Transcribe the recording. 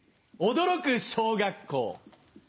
驚く小学校。